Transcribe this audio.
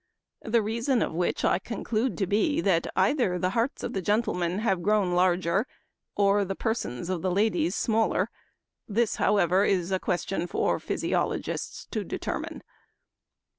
The reason of which I conclude to be, that either the hearts of the gentlemen have grown larger, or the persons of the ladies smaller ; this, however, is a question for physi ologists to determine."